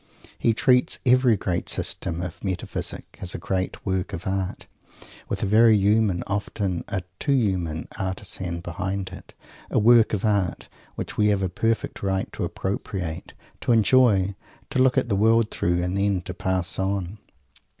He treats every great System of Metaphysic as a great work of Art with a very human, often a too human, artizan behind it a work of Art which we have a perfect right to appropriate, to enjoy, to look at the world through, and then _to pass on!